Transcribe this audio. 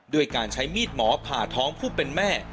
ด้วยการใช้มีดหมอผ่าท้องผู้เป็นแม่